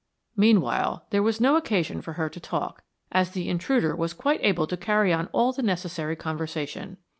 Meanwhile, there was no occasion for her to talk, as the intruder was quite able to carry on all the necessary conversation.